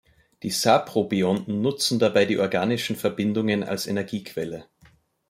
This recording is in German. Die Saprobionten nutzen dabei die organischen Verbindungen als Energiequelle.